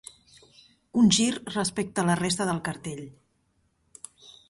Un gir respecte a la resta del cartell.